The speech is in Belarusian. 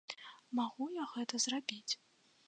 Магу я гэта зрабіць?